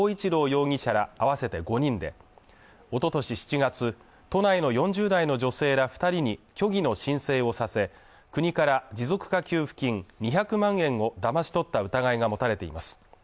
容疑者ら合わせて５人でおととし７月都内の４０代の女性ら二人に虚偽の申請をさせ国から持続化給付金２００万円をだまし取った疑いが持たれています